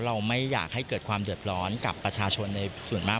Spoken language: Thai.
เราไม่อยากให้เกิดความเดือดร้อนกับประชาชนในส่วนมาก